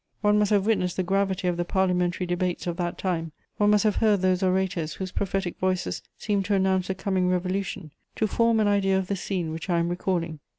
One must have witnessed the gravity of the parliamentary debates of that time, one must have heard those orators whose prophetic voices seemed to announce a coming revolution, to form an idea of the scene which I am recalling.